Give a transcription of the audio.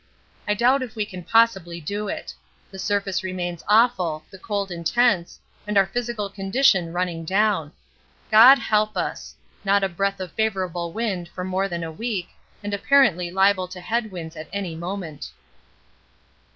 I doubt if we can possibly do it. The surface remains awful, the cold intense, and our physical condition running down. God help us! Not a breath of favourable wind for more than a week, and apparently liable to head winds at any moment.